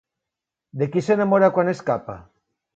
De qui s'enamora quan escapa?